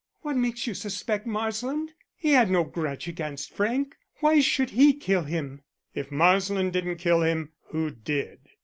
"What makes you suspect Marsland? He had no grudge against Frank. Why should he kill him?" "If Marsland didn't kill him, who did?"